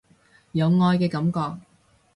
有愛嘅感覺